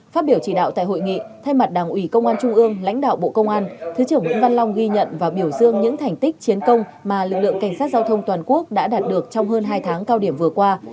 phát biểu chỉ đạo tại hội nghị thay mặt đảng ủy công an trung ương lãnh đạo bộ công an thứ trưởng nguyễn văn long ghi nhận và biểu dương những thành tích chiến công mà lực lượng cảnh sát giao thông toàn quốc đã đạt được trong hơn hai tháng cao điểm vừa qua